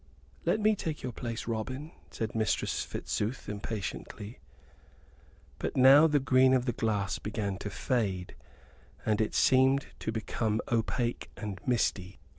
"Let me take your place, Robin," said Mistress Fitzooth, impatiently. But now the green of the glass began to fade; and it seemed to become opaque and misty.